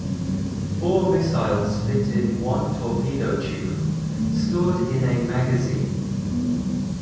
Four missiles fit in one torpedo tube, stored in a magazine.